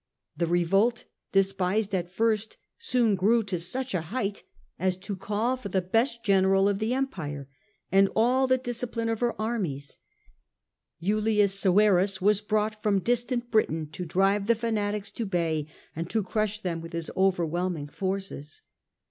The revolt, despised at first, soon grew to such a height as to call for the best general was at last empire and all the discipline of her terribly armies. Julius Severus was brought from dis j.ampedout. Britain to drive the fanatics to bay and to crush them with his overwhelming forces.